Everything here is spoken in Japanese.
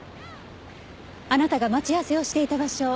あなたが待ち合わせをしていた場所